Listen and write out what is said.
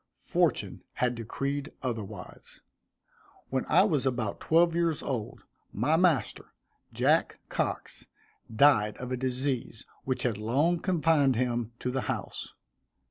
Fortune had decreed otherwise. When I was about twelve years old, my master, Jack Cox, died of a disease which had long confined him to the house.